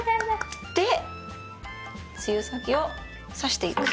でつゆ先を挿していく。